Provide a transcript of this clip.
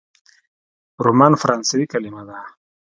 رومان فرانسوي کلمه ده.